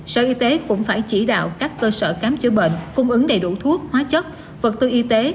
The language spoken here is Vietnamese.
sở y tế cũng phải chỉ đạo các cơ sở khám chữa bệnh cung ứng đầy đủ thuốc hóa chất vật tư y tế